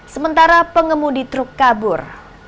sementara pengemudi truk kabur